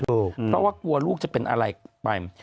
เพราะว่ากลัวลูกจะเป็นอะไรไป